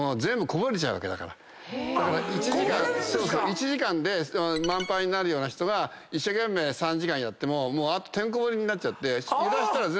１時間で満杯になるような人が一生懸命３時間やってもてんこ盛りになっちゃって揺らしたら全部こぼれちゃう。